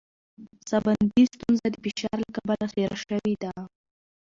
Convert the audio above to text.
ساه بندي ستونزه د فشار له کبله ډېره شوې ده.